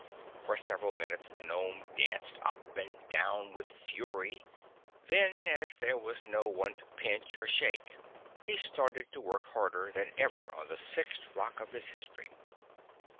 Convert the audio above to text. For several minutes the gnome danced up and down with fury. Then, as there was no one to pinch or shake, he started to work harder than ever on the sixth rock of his history.